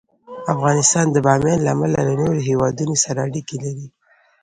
افغانستان د بامیان له امله له نورو هېوادونو سره اړیکې لري.